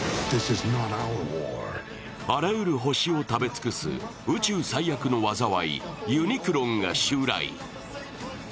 あらゆる星を食べ尽くす、宇宙最悪の災いユニクロンが襲来。